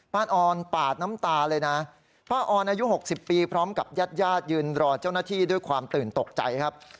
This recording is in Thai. ออนปาดน้ำตาเลยนะป้าออนอายุ๖๐ปีพร้อมกับญาติญาติยืนรอเจ้าหน้าที่ด้วยความตื่นตกใจครับ